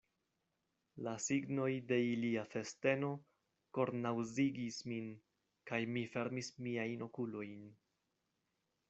La signoj de ilia festeno kornaŭzigis min, kaj mi fermis miajn okulojn.